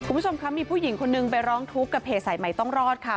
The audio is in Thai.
คุณผู้ชมคะมีผู้หญิงคนนึงไปร้องทุกข์กับเพจสายใหม่ต้องรอดค่ะ